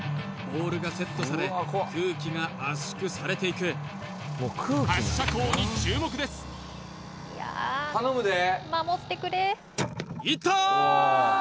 ボールがセットされ空気が圧縮されていく発射口に注目ですいった！